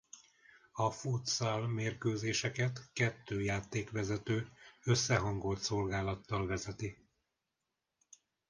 A futsal mérkőzéseket kettő játékvezető összehangolt szolgálattal vezeti.